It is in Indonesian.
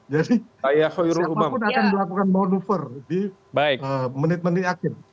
jadi siapapun akan dilakukan maneuver di menit menit akhir